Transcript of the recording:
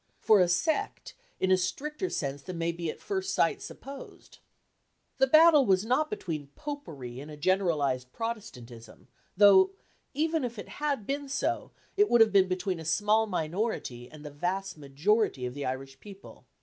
For a sect, in a stricter sense than may at first sight be supposed. The battle was not between Popery and a generalized Protestantism, though, even if it had been so, it would have been between a small minority and the vast majority of the Irish people.